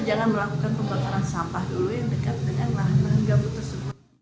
jangan melakukan pembakaran sampah dulu yang dekat dengan lahan lahan gambut tersebut